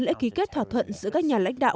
lễ ký kết thỏa thuận giữa các nhà lãnh đạo